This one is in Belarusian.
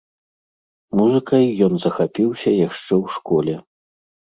Музыкай ён захапіўся яшчэ ў школе.